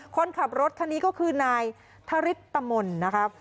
คนขับรถคันนี้ก็คือนายทริตมนต์นะครับ